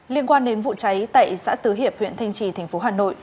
liên quan đến vụ cháy tại xã tứ hiệp huyện thanh trì tp hà nội